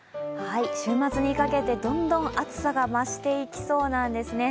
週末にかけてどんどん暑さが増していきそうなんですね。